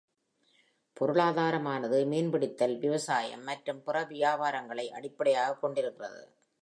பொருளாதாரமானது, மீன்பிடித்தல், விவசாயம் மற்றும் பிற வியாபாரங்களை அடிப்படையாகக் கொண்டிருக்கிறது.